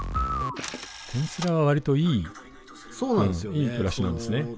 「転スラ」はわりといいいい暮らしなんですね。